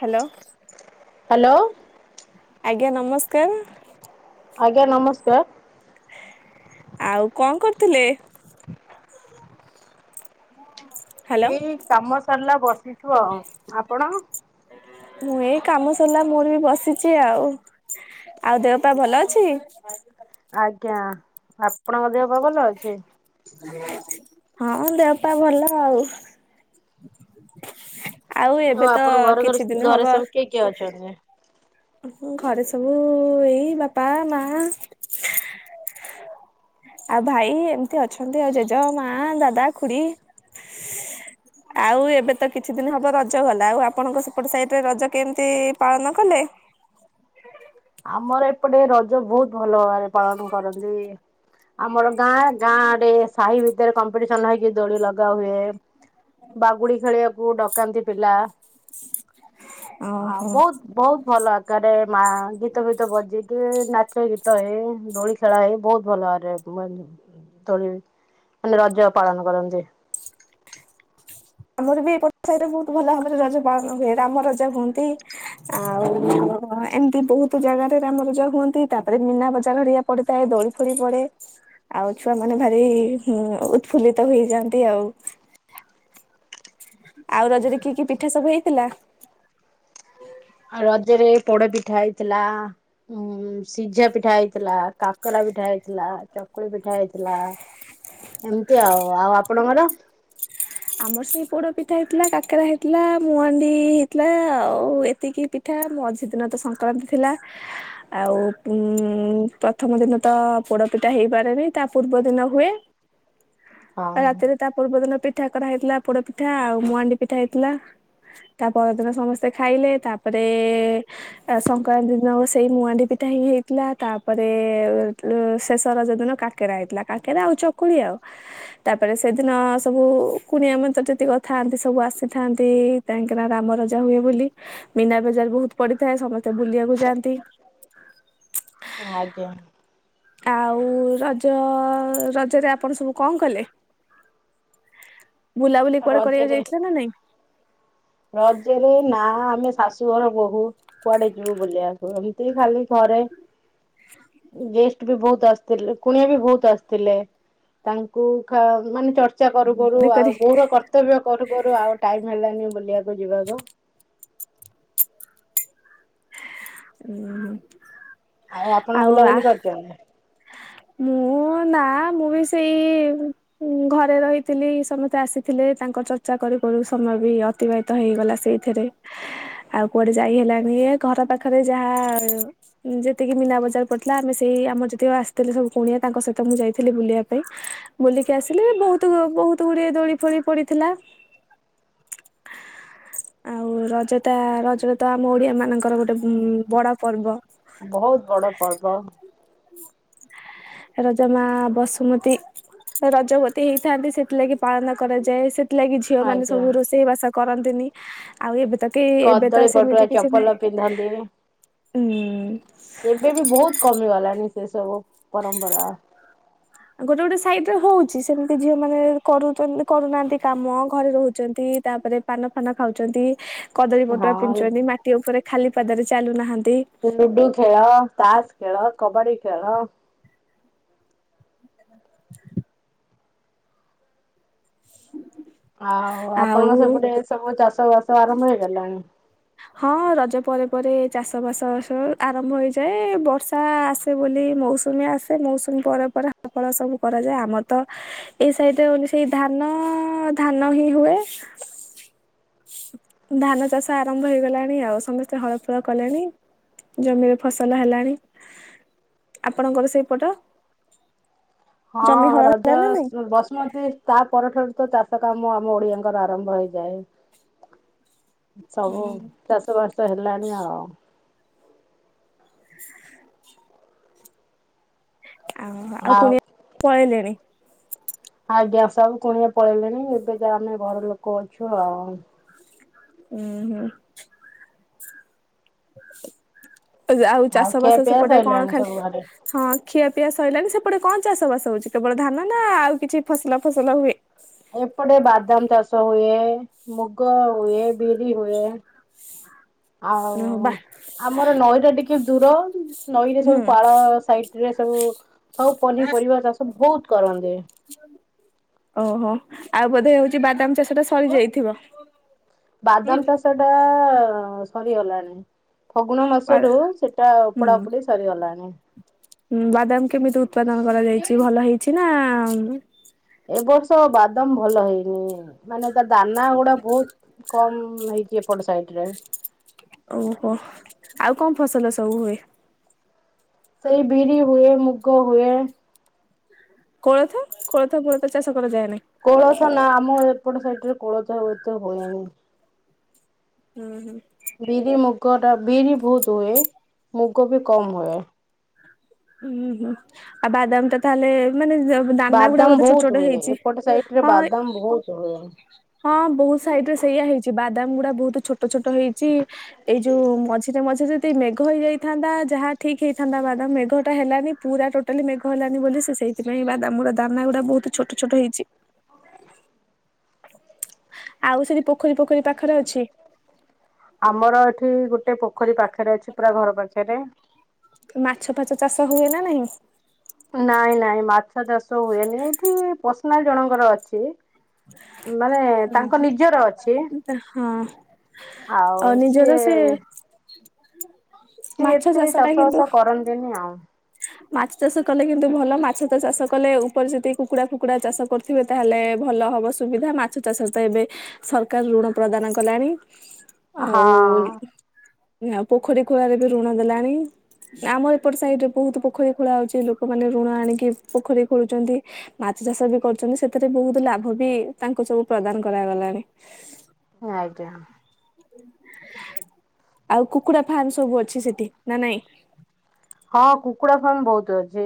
Hello hello. ଆଜ୍ଞା ନମସ୍କାର। ଆଜ୍ଞା ନମସ୍କାର। ଆଉ ଙ୍କ କରୁଥିଲେ? ହ୍ୟାଲୋ ଏଇ କାମ ସରଲା ବସିଛୁ ଆଉ ଆପଣ ମୁଁ ଏଇ କାମ ସରଲା ମୋର ବି ବସିଛି ଆଉ। ଆଉ ଦେହପା ଭଲ ଅଛି? [unintelligible] ଆଜ୍ଞା ଆପଣଙ୍କ ଦେହପା ଭଲ ଅଛି ହଁ ଦେହପା ଭଲ ଆଉ। ଆଉ ଏବେ ତ ଆପଣଙ୍କ ଘରେ ଘରେ କିଛି ଦିନ ଘରେ ହବ ସବୁ କିଏ କିଏ ଅଛନ୍ତି? ଘରେ ସବୁ ଏଇ ବାପା ମା ଆଉ ଭାଇ ଏମତି ଅଛନ୍ତି ଆଉ ଜେଜ ମା ଦାଦା ଖୁଡି ହ ଆଉ ଏବେ ତ କିଛି ଦିନ ହବ ରଜ ଗଲା ଆଉ ଆପଣଙ୍କ ସେପଟ ସାଇଟରେ ରଜ କେମତି ପାଳନ କଲେ? ଆମର ଏପଟେ ରଜ ବହୁତ ଭଲ ଭାବରେ ପାଳନ କରନ୍ତି। ଆମର ଗାଁ ଗାଁଡେ ସାହି ଭିତରେ କମ୍ପିଟିସନ ହେଇକି ଦୋଳି ଲଗା ହୁଏ। ବାଗୁଡି ଖେଳିବାକୁ ଡକାନ୍ତି ପିଲା। ହଁ ଓହୋ ବହୁତ ବହୁତ ଭଲ ଆକାରରେ ମା ଗୀତ ଗୀତ ଫିତ୍ ବଜେଇଥିବେ ନାଚ ଗୀତ ତ ହେ ଦୋଳି ଖେଳା ହେଇ ବହୁତ ଭଲଭା ବରେ ଦୋଳି ରେ ରାଜ ପଳନ କରନ୍ତି। ଆମର ବି ଏପଟ ସାଇଟିରେ ବହୁତ ଭଲ ଭାବରେ ରଜ ପାଳନ ହୁଏ ରାମ ରଜା ହୁଅନ୍ତି। ଆଉ ଏମିତି ବହୁତ ଜାଗାରେ ରାମରଜା ହୁଅନ୍ତି ତାପରେ ମୀନା ବଜାର ପଡ଼ିଥାଏ ଦୋଳି ଫୋଳି ପଡ଼େ ଆଉ ଛୁଆ ମାନେ ଭାରି ଉତ୍ଫୁଲିତ ହେଇଯାଆନ୍ତି ଆଉ। ଆଉ ରଜରେ କି କି ପିଠା ସବୁ ହେଇଥିଲା? ଆଉ ରଜରେ ପୋଡ ପିଠା ହେଇଥିଲା। ଉଁ ସିଝା ପିଠା ହେଇଥିଲା, କାକରା ପିଠା ହେଇଥିଲା, ଚକୁଳି ପିଠା ହେଇଥିଲା ଏମିତି ଆଉ ଆଉ। ଆଉ ଆପଣଙ୍କର? ଆମର ସେଇ ପୋଡ ପିଠା ହେଇଥିଲା, କାକରା ହେଇଥିଲା, ମୁହାଣ୍ଡି ହେଇଥିଲା, ଆଉ ଏତିକି ଏଠା ମଝି ଦିନ ତ ସଂକ୍ରାନ୍ତି ଥିଲା ଆଉ ଉ ପ୍ରଥମ ଦିନ ତ ପୋଡପିଠା ହେଇପାରେନି ତା ପୂର୍ବ ଦିନ ହୁଏ ଆଉ ହଁ ରାତିରେ ତା ପର୍ବଦିନ ପିଠା କରା ହେଇଥିଲା ପୋଡ ପିଠା ଆଉ ମୁହାଣ୍ଡି ପିଠା ହେଇଥିଲା ତା ପରଦିନ ସମସ୍ତେ ଖାଇଲେ, ତାପରେ ସଂକ୍ରକ୍ରାନ୍ତି ଦିନ ସେଇ ମୁହାଣ୍ଡି ପିଠା ହି ହେଇଥିଲା ତାପରେ ଶେଷ ରଜ ଦିନ କା କାକେରା ହେଇଥିଲା। କାକେରା ଆଉ ଚକୁଳି ଆଉ, ତାପରେ ସେଦିନ ସବୁ କୁଣିଆ ମିତ୍ର ଯେତିକି ଥାନ୍ତି ସବୁ ଆସିଥାନ୍ତି କାହିଁକିନା ରାମ ରଜା ହୁଏ ବୋଲି। ମୀନା ବଜାର ବୋହୁତ୍ ପଡିଥାଏ, ସମସ୍ତେ ବୁଲିବାକୁ ଯାଆନ୍ତି। ହଁ ଆଜ୍ଞା। ଆଉ ରଜ- ରଜରେ ଆପଣ ସବୁ କଣ କଲେ? ବୁଲାବୁଲି କୁଆଡେ କରିବାକୁ ରଜରେ ଯାଇଥିଲା ନା ନାଇଁ? ରଜରେ ନା ଆମେ ଶାଶୁଘର ବୋହୁ କୁଆଡେ ଯିବୁ ବୁଲିବାକୁ? ଏମିତି ଖାଲି ଘରେ ଗେଷ୍ଟ ବି ବୋହୁତ୍ ଆସିଥିଲେ କୁଣିଆ ବି ବହୁତ ଆସିଥିଲେ। ତାଙ୍କୁ ମାନେ ଖାଇବାକୁ, ଚର୍ଚ୍ଚା କରୁ କରୁ କରି ଆଉ ବୋହୂ ର କର୍ତ କର୍ତବ୍ଯ କରୁ କରୁ, ଆଉ ଟାଇମ୍ ହେଲାନି ବୁଲିବାକୁ ଯିବାକୁ ଓ ହୋ। ଆଉ ଆପଣ ବୁଲାବୁଲି କରିଛନ୍ତି? ମୁଁ ନା ମୁଁ ବି ସେଇ ହଁ ଘରେ ରହିଥିଲି, ସମସ୍ତେ ଆସିଥିଲେ ତାଙ୍କ ଚର୍ଚ୍ଚା କରୁ କରୁ ସମୟ ବି ଅ ଅତିବାହିତ ହେଇଗଲା ସେଇଥିରେ ଆଉ କୁଆଡେ ଯାଇ ହେଲାନି ଏ ଘର ପାଖରେ ଯାହା ଯେତିକି ମିନା ବଜାର ପଡିଥିଲା ଆମେ ସେଇ ଆମ ଆସିଥିଲେ ସବୁ କୁଣିଆ ତାଙ୍କ ସହିତ ମୁଁ ଯାଇଥିଲି ବୁଲିବା ପାଇଁ, ବୁଲିକି ଆସିଲେ ବୋହୁତ୍ ବୋହୁତ୍ ଦୋଳି ଫୋଳି ପଡିଥିଲା। ଆଉ ରଜଟା ରଜରେ ତ ଆମ ଓଡିଆ ମାନଙ୍କର ଗୋଟେ ଉ ବଡ ପର୍ବ। ବହୁତ ବଡ଼ ପର୍ବ ରଜମା ବସୁମତୀ ରଜବତୀ ହେଇଥାନ୍ତି, ସେଥିଲାଗି ପାଳନ କରାଯାଏ ସେ ସେଥିଲାଗି ଝିଅ ମାନ ଆଜ୍ଞା। ସବୁ ରୋଷେଇ ବାସ କରନ୍ତିନି ଆଉ ଏବେ ତ କି ଏବେ ତ କଦଳୀ ପଟୁଆ ସେମିତି କିଛି ନାହିଁ ଚପଲ ପିନ୍ଧନ୍ତି। ହୁଁ। ଏବେ ବି ବୋହୁତ୍ କମିଗଲାଣି ସେ ସବୁ ପରମ୍ପରା ଗୋଟେ ଗୋଟେ ସାଇଡ ରେ ହଉଛି ସେମିତି ଝିଅ ମାନେ କରୁ କରୁନାହାନ୍ତି କାମ ଘରେ ରହୁଛନ୍ତି ତାପରେ ପାନ ଫାନ ଖାଉଛନ୍ତି, କଦଳୀ ପଟୁଆ ହଁ ପିନ୍ଧୁଛନ୍ତି, ମାଟି ଉପରେ ଖାଲି ପାଦରେ ଚାଲୁନାହାନ୍ତି ଲୁୁଡ଼ୁ ଖେଳ, ତାସ୍ ଖେଳ, କବାଡି ଖେଳ [unintelligible] ଆଉ ଆପଣଙ୍କ ଆଉ ସେପଟେ ସବୁ ଚାଷ ବାସ ଆରମ୍ଭ ହେଇଗଲାଣି? ହଁ ରଜ ପରେ ପରେ ଚାଷ ବାସ ସବୁ ଆରମ୍ଭ ହେଇଯାଏ, ବର୍ଷା ଆସେ ବୋଲି ମୌସୁ ମୌସୁମୀ ଆସେ ମୌସୁମୀ ପରେ ପରେ, ହ ଫଳ ସବୁ କରାଯାଏ। ଆମର ତ ଏଇ ସାଇଟ୍ ରେ ଓନ୍ଲି ସେଇ ଧାନ, ଧାନ ହିଁ ହୁଏ। ଧାନ ଚାଷ ଆରମ୍ଭ ହେଇଗଲାଣି ଆଉ ସମସ୍ତେ ହଳଫଳ କଲେଣି। ଜମିରେ ଫସଲ ହେଲାଣି। ଆପଣଙ୍କର ସେଇ ପଟ ହଁ ହେଲା ରଜ ନା ନାଇଁ? ଅସ୍ ଉଁ ବସୁମତୀ ତା ପରଠାରୁ ତ ଚାଷ କାମ ଆମ ଓଡିଆଙ୍କର ଆରମ୍ଭ ହେଇଯାଏ। ସବୁ ହୁଁ, ଚାଷବାଷ ହେଲାଣି ଆଉ। ଆଉ ଆଉ କୁଣିଆ ପଳେଇଲେଣି? ଆଜ୍ଞା ସବୁ କୁଣିଆ ପଳେଇଲେଣି ଏବେ ଯାହା ଆମେ ଘର ଲୋକ ଅଛୁ ଆଉ। ଉଁ ହୁଁ। ଏ ଆଉ ଖିଆ ଚାଷବାସ ପିଆ ସେପଟେ କଣ ସରିଲାଣି ଖାଲି ସବୁ ଘରେ ହଁ ଖିଆପିଆ ସଇଲାଣି ସେପଟେ କଣ ଚାଷ ବାସ ହୋଉଚି କେବଳ ଧାନ ନା ଆଉ କିଛି ଫସଲା ଫସଲ ହୁଏ? ଏପଟେ ବାଦାମ ଚାଷ ହୁଏ, ମୁଗ ହୁଏ, ବିରି ହୁଏ। ଓହୋ ବା ଆଉ ଆମର ନଈଟା ଟିକେ ଦୂର ନଈରେ ହୁଁ ସବୁ ପାଳ ସାଇଟରେ ସବୁ ସବୁ ପନିପରିବା ଚାଷ ଭୋଉତ କରନ୍ତି। ଓହୋ ଆଉ ବୋଧେ ହୋଉଚି ବାଦାମ ଚାଷଟା ସରିଯାଇଥିବ। ବାଦାମ ଚାଷଟା ଆ ସରିଗଲାଣି। ଫଗୁଣ ମାସରୁ ସେଟା ଓପୋଡା ଓପୋଡି ସରିଗଲାଣି। ଉଁ ବାଦାମ କେମିତି ଉତ୍ପାଦନ କରାଯାଇଚି ଭଲ ହେଇଛି ନା ଏବର୍ଷ ବାଦାମ ଭଲ ହେଇନି ମାନେ ତା ଦାନାଗୁଡା ବୋହୁତ କମ୍ ହେଇ କି ଏପଡ଼ ସାଇଟରେ ଓହୋ ଆଉ କଣ ଫସଲ ସବୁ ହୁଏ? ସେଇ ବିରି ହୁଏ, ମୁଗ ହୁଏ। କୋଳଥ କୋଳଥ ଫୋଳଥ ଚାଷ କରାଯାଏ ନାହିଁ। କୋଳଥ ନା ଆମ ଏପଟ ସାଇଟରେ କୋଳଥ ଆଉ ଏତେ ହୁଏନି। ହୁଁ ହୁଁ। ବିରି ମୁଗଟା ବିରି ଭୋଉତ ହୁଏ ମୁଗ ବି କମ ହୁଏ। ଉଁ ହୁଁ ଆ ବାଦାମ ତ ତାହେଲେ ମାନେ ଦାନାଗୁଡା ବାଦାମ ବୋଧେ ବହୁତ ଛୋଟଛୋଟ ହୁଏ ହେଇଚି ଏପଟ ସାଇଡ ରେ ହଁ ଏ ବାଦାମ ବହୁତ ହୁଏ। ହଁ ବୋହୁତ ସାଇଡ଼ରେ ସେଇଆ ହେଇଚି ବାଦାମଗୁଡା ବୋହୁତ ଛୋଟଛୋଟ ହେଇଚି। ଏଇ ଯୋଉ ମଝିରେ ମଝିରେ ଦି ମେଘ ହେଇଯାଇଥାନ୍ତା ଯାହା ଠିକ ହେଇଥାନ୍ତା ବାଦାମ ମେଘ ହେଲାନି ପୁରା ଟୋଟାଲି ମେଘ ହେଲାନି ବୋଲି ସେ ସେଇଥିପାଇଁ ବାଦାମଗୁଡା ଦାନାଗୁଡ଼ା ବୋହୁତ ଛୋଟଛୋଟ ହେଇଚି। ଆଉ ସେରି ପୋଖରୀ ଫୋଖରୀ ପାଖରେ ଅଛି? ଆମର ଏଠି ଗୋଟେ ପୋଖରୀ ପାଖରେ ଅଛି ପୁରା ଘର ପାଖରେ। ମାଛଫାଛ ଚାଷ ହୁଏ ନା ନାହିଁ? ନାଇଁ ନାଇଁ ମାଛଚାଷ ହୁଏନି ଏଠି ପସନାଲ୍ ଜଣଙ୍କର ଅଛି। ମାନେ ତାଙ୍କ ନିଜର ଅଛି। ଏ ହଁ। ଆଉ ସିଏ ମାଛଚାଷଟା କିନ୍ତୁ କରନ୍ତିିନି ଆଉ। ମାଛ ଚାଷ କଲେ କିନ୍ତୁ ଭଲ ମାଛ ତ ଚାଷ କଲେ ଉପରେ ଯେତି କୁକୁଡା ଫୁକୁଡା ଚାଷ କରୁ ଥିବ ତାହେଲେ ଭଲ ହବ ସୁବିଧା ମାଛଚାଷ ତ ଏବେ ସରକାର ଋଣ ପ୍ରଦାନ କଲାଣି। ଅ ହଁ। ନା ପୋଖରୀ ଖୋଳାରେ ବି ଋଣ ଦେଲାଣି ଆମ ଏପଟ ସାଇଡ଼ରେ ବୋହୁତ ପୋ ପୋଖରୀ ଖୋଳା ହୋଉଚି ଲୋକମାନେ ଋଣ ଆଣିକି ପୋଖରୀ ଖୋଳୁଚନ୍ତି। ମାଛ ଚାଷ ବି କରୁଚନ୍ତି ସେଥିରେ ବୋହୁତ ଲାଭ ବି ତାଙ୍କୁ ସବୁ ପ୍ରଦାନ କରାଗଲାଣି। ଆଜ୍ଞା। ଆଉ କୁକୁଡ଼ା ଫାର୍ମ୍ ସବୁ ଅଛି ସେଠି ନା ନାଇଁ? ହଁ କୁକୁଡା଼ ଫାର୍ମ ବହୁତୁ ଅଛି।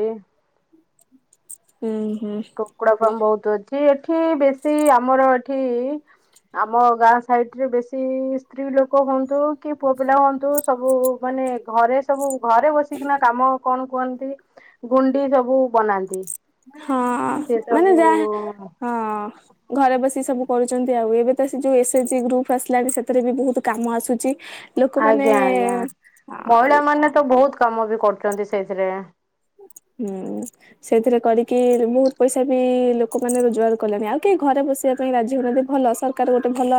ହୁଁ ହୁଁ। କୁକୁଡା଼ ଫାର୍ମ ବହୁତୁ ଅଛି। ଏଠି ବେଶୀ ଆମର ଏଠି-ଇ-ଇ-ଇ ଆମ ଗାଁ ସାଇଡ଼ ରେ ବେଶୀ-ଇ-ଇ-ଇ ସ୍ତ୍ରୀ ଲୋକ ହୁଅନ୍ତୁ କି ପୁଅ ପିଲା ହୁଅନ୍ତୁ, ସବୁ ମାନେ ଘରେ ସବୁ ଘରେ ବସିକିନା କାମ କଣ କୁହନ୍ତି, ଗୁଣ୍ଡି ସବୁ ବନାନ୍ତି। ହଁ-ଅ-ଅ-ଅ ସେ ମାନେ ସବୁ ଯାହା, ହଁ। ଘରେ ବସି ସବୁ କରୁଛନ୍ତି ଆଉ। ଏବେ ତ ସେ ଯୋଉ ଏସ ଏଚ ଜି ଗ୍ରୁପ ଆସିଲାଣି ସେଥିରେ ବି ବହୁତ କାମ ଆସୁଛି। ଲୋକମାନେ ଆଜ୍ଞା ଆଜ୍ଞା। ମହିଳା ମାନେ ତ ବହୁତ କାମ ବି କରୁଛନ୍ତି ସେଇଥିରେ। ହୁଁ। ସେଇଥିରେ କରିକି ବହୁତ ପଇସା ବି ଲୋକମାନେ ରୋଜଗାର କଲେଣି, ଆଉ କେହି ଘରେ ବସିବା ପାଇଁ ରାଜି ହଉନାହାନ୍ତି, ଭଲ ସର କାର ଗୋଟେ ଭଲ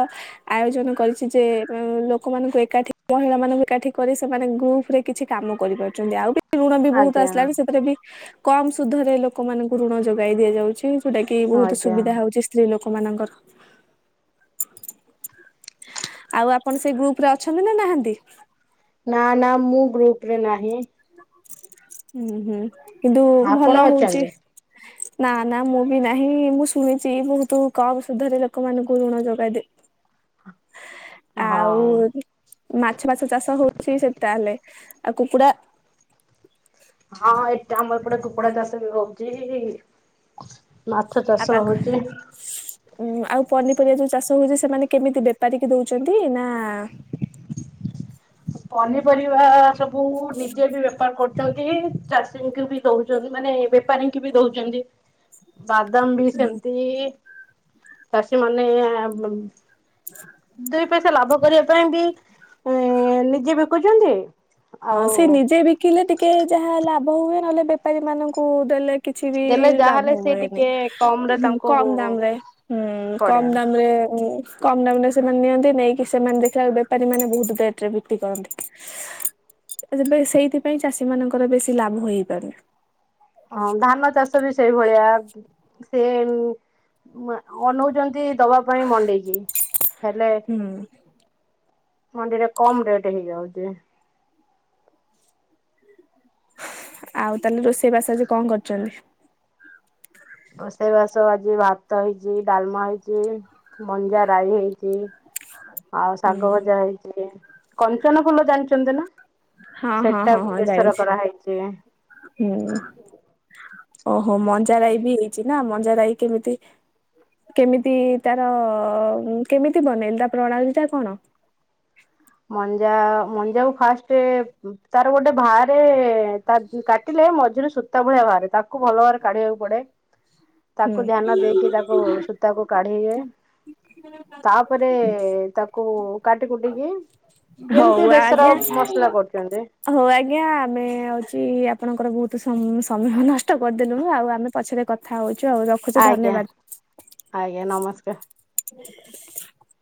ଆୟୋଜନ କରିଛି ଯେ, ଏ ଲୋକମାନଙ୍କୁ ଏକାଠି, ମହିଳା ମାନଙ୍କୁ ଏକାଠି କରି ସେମାନେ ଗ୍ରୁପ ରେ କିଛି କାମ କରିପାରୁଛନ୍ତି, ଆଉ [unintelligible] ଋଣ ବି ବହୁତ ଆଜ୍ଞା ତାପରେବି କମ୍ ସୁଧରେ ଲୋକମାନଙ୍କୁ ଋଣ ଯୋଗାଇ ଦିଆଯାଉଛି, ଯୋଉଟା କି ବହୁତ ଆଜ୍ଞା। ସୁବିଧା ହଉଛି ସ୍ତ୍ରୀ ଲୋକମାନଙ୍କର। ଆଉ ଆପଣ ସେଇ ଗ୍ରୁପ ରେ ଅଛନ୍ତି ନା ନାହାନ୍ତି? ନା ନା ମୁଁ ଗ୍ରୁପରେ ନାହିଁ। ହୁଁ ହୁଁ କିନ୍ତୁ ଆପଣ ଭଲ ହଉଛି। ଅଛନ୍ତି ନା ନା ମୁଁ ବି ନାହିଁ ମୁଁ ଶୁଣିଛି ବହୁତ କମ୍ ସୁଧରେ ଲୋକମାନଙ୍କୁ ଋଣ ଯୋଗାଇଦେ ଆଉ ହଁ। ମାଛ ଫାଛ ଚାଷ ହଉଛି ସେ ତାହଲେ ଆଉ କୁକୁଡ଼ା ହଁ ଏଟା ଆମର ଏପଟେ କୁକୁଡା ଚାଷ ବି ହଉଛି-ଇ-ଇ-ଇ। ମାଛ ଚାଷ ହଉଛି। ଉଁ ଆଉ ପନିପରିବା ଯୋଉ ଚାଷ ହଉଛି ସେମାନେ କେମିତି ବେପାରୀ କିି ଦଉଛନ୍ତି ନା-ଆ-ଆ-ଆ ପନିପରିବା ସବୁ ନିଜେ ବି ବେପାର କରୁଛନ୍ତି ଚାଷୀଙ୍କୁ ବି ଦଉଛନ୍ତି ମାନେ ବେପାରୀଙ୍କୁ ବି ଦଉଛନ୍ତି। ହ ବାଦାମ ବି ସେମିତି ଚାଷୀମାନେ-ଏ-ଏ-ଏ ଦୁଇ ପଇସା ଲାଭ କରିବା ପାଇଁ ବି ହ ଏମିତିଆ ବିକୁଛନ୍ତି। ଆଉ ହଁ ସେ ନିଜେ ବିକିଲେ ଟିକେ ଯାହା ଲାଭ ହୁଏ ନହେଲେ ବେପାରୀ ମାନଙ୍କୁ ଦେଲେ କିଛି ବି ଦେଲେ ଯାହାହେଲେ ଲାଭ ସେ ହୁଏନି। ଟିକେ କମ ରେ ହୁଁ ତାଙ୍କୁ କମ୍ ଦାମ ରେ, ହୁଁ-ଉ-ଉ-ଉ ପଡେ କମ୍ ଦାମ ରେ-ଏ-ଏ-ଏ କମଡାମ୍ ରେ ସେମାନେ ନିଅନ୍ତି, ନେଇକି ସେମାନେ ଦେଖିଲା ବେପାରୀ ମାନେ ବହୁତ ରେଟ୍ ରେ ବିକ୍ରି କରନ୍ତି। ଯେବେ ସେଇଥିପାଇଁ ଚାଷୀ ମାନଙ୍କର ବେଶୀ ଲାଭ ହେଇପାରୁନି। ହଁ ଧାନ ଚାଷ ବି ସେଇଭଳିଆ। ସେ-ଏ-ଏ-ମ୍ ଅନଉଛନ୍ତି ଦବା ପାଇଁ ମଣ୍ଡେଇକି ହେଲେ ହୁଁ ମଣ୍ଡିରେ କମ୍ ରେଟ୍ ରେ ଦିଆହଉଛି। ଆଉ ତାହେଲେ ରୋଷେଇବାସ ଆଜି କଣ କରିଛନ୍ତି? ବଷେଇବାସ ଆଜି ଭାତ ହେଇଛି, ଡାଲମା ହେଇଛି, ମଞ୍ଜା ରାଇ ହେଇଛି। ଆଉ ହୁଁ ଶାଗ ହୁଁ ଭଜା ହେଇଛି। କଞ୍ଚନ ଫୁଲ ଜାଣିଛନ୍ତି ନା? ହଁ ହଁ ହଁ ସେଟାକୁୁ ହଁ ବେସର ଜାଣିଛି କରାହେଇଛି। ହୁଁ। ଓହୋ ମଞ୍ଜାରାଇ ବି ହେଇଛି ନା ମଞ୍ଜାରାଇ କେମିତି କେମିତି-ଇ-ଇ ତାର-ଅ-ଅ-ଅ କେମିତି ବନେଇଲେ ତାର ପ୍ରଣାଳୀ ଟା କଣ? ମଞ୍ଜା-ଆ-ଆ ମଞ୍ଜାକୁ ଫାଷ୍ଟେ-ଏ-ଏ-ଏ ତାର ଗୋଟେ ବାହାରେ-ଏ-ଏ କାଟିଲେ ମଝିରେ ସୂତା ଭଳିଆ ବାହାରେ ତାକୁ ଭଲ ଭାବରେ କାଢିବାକୁ ପଡେ। ହ ତାକୁ ଧ୍ୟାନ ଦେଇକି ତାକୁ-ଉ-ଉ ସୂତାକୁ କାଢିବେ। ତାପରେ ତାକୁ କାଟି କୁଟିକି ଯେମିତି ହଉ ବେସର ଆଜ୍ଞା ମସଲା କରୁଛନ୍ତି ହଉ ଆଜ୍ଞା ଆମେ ହଉଚି ଆପଣଙ୍କର ବହୁତ ସମୟ ସମୟ ନଷ୍ଟ କରିଦେଲୁନି। ଆଉ ଆମେ ପଛରେ କଥା ହଉଚୁ ଆଉ। ରଖୁଛୁ ଆଜ୍ଞା। ଧନ୍ୟବାଦ। ଆଜ୍ଞା ନମସ୍କାର। [inaudible]